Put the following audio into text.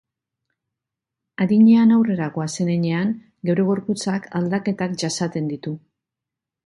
Adinean aurrera goazen heinean, geure gorputzak aldaketak jasaten ditu.